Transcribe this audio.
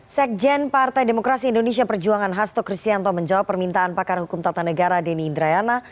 sekjen partai demokrasi indonesia perjuangan hasto kristianto menjawab permintaan pakar hukum tata negara denny indrayana